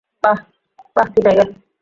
বাহ, কি টাইগার।